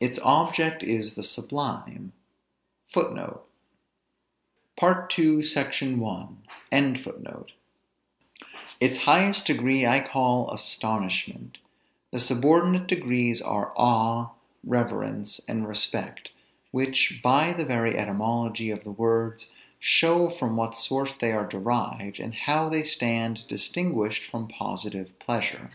Its object is the sublime. Its highest degree I call astonishment; the subordinate degrees are awe, reverence, and respect, which, by the very etymology of the words, show from what source they are derived, and how they stand distinguished from positive pleasure.